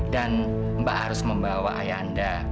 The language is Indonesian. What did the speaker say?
dan mbak harus membawa ayah anda